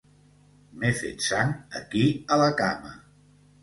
M'he fet sang aquí a la cama.